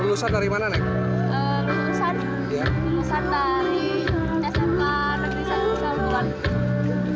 lulusan dari smp negeri salunggulan